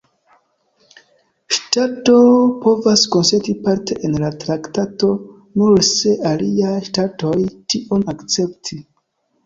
Ŝtato povas konsenti parte en la traktato, nur se aliaj ŝtatoj tion akcepti.